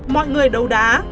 mọi người đấu đá